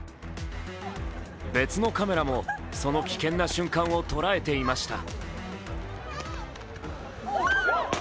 別のカメラもその危険な瞬間を捉えていました。